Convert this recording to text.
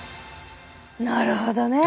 なるほどね。